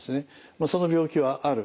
もうその病気はある。